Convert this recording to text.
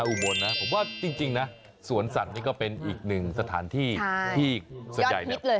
อูโบนนะครับผมว่าจริงนะสวนสัตว์นี้ก็เป็นอีกหนึ่งสถานที่ที่สยาย